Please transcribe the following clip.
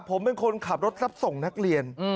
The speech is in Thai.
ผมเป็นคนขับรถรับส่งนักเรียน